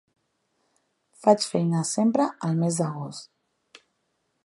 Faig feina sempre al mes d'agost.